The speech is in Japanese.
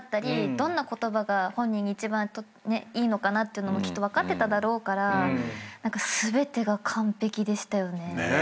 どんな言葉が本人に一番いいのかなっていうのもきっと分かってただろうから全てが完璧でしたよね。